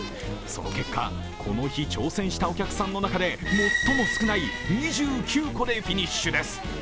その結果、この日、挑戦したお客さんの中で最も少ない２９個でフィニッシュです。